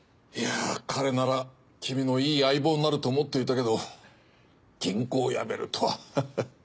いや彼なら君のいい相棒になると思っていたけど銀行を辞めるとはハハ